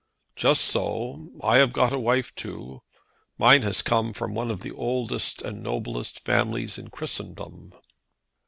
"Just so. I have got a wife too. Mine has come from one of the oldest and noblest families in Christendom."